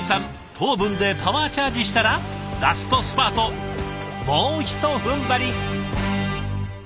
糖分でパワーチャージしたらラストスパートもうひとふんばり！